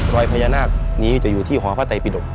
รอยพญานาคนี่จะอยู่ที่โห้อภาตัยปิดก